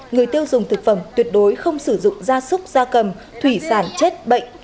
người tiêu dùng thực phẩm tuyệt đối không sử dụng da súc da cầm thủy sản chết bệnh